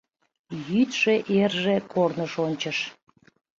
Йӱдшӧ-эрже корныш ончыш